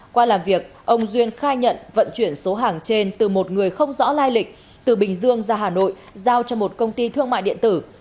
qua làm việc ông duyên khai nhận vận chuyển số hàng trên từ một người không rõ lai lịch từ bình dương ra hà nội giao cho một công ty thương mại điện tử